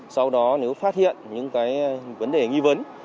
sau đó nếu phát hiện những cái vấn đề nghi vấn